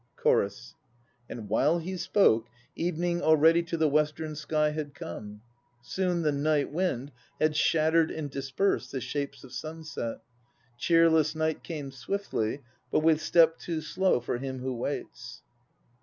CHORUS. And while he spoke, Evening already to the western sky had come; Soon the night wind had shattered and dispersed The shapes of sunset. Cheerless night Came swiftly, but with step too slow For him who waits.